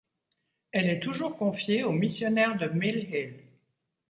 Elle est toujours confiée aux missionnaires de Mill Hill.